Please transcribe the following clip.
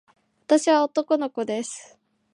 私は男の子です。